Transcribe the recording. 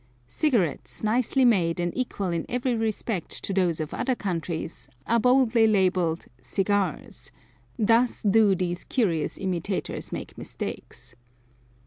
Cigarettes, nicely made and equal in every respect to those of other countries, are boldly labelled "cigars:" thus do these curious imitators make mistakes.